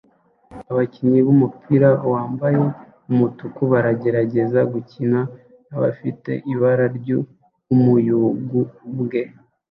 Abakinnyi b'umupira wambaye umutuku baragerageza gukina nabafite ibara ry'umuyugubwe